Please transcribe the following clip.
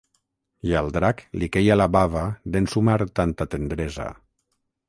I al drac li queia la bava d'ensumar tanta tendresa.